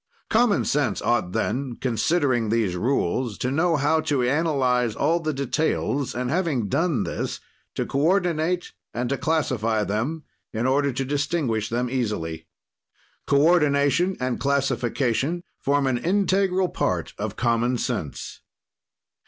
"Common sense ought then, considering these rules, to know how to analyze all the details and, having done this, to coordinate and to classify them, in order to distinguish them easily. "Coordination and classification form an integral part of common sense."